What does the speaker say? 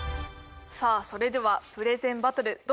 さあそれではプレゼンバトル